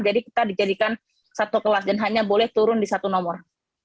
jadi kita dijadikan satu kelas dan hanya boleh turun di satu nomor